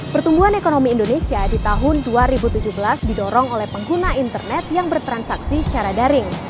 pertumbuhan ekonomi indonesia di tahun dua ribu tujuh belas didorong oleh pengguna internet yang bertransaksi secara daring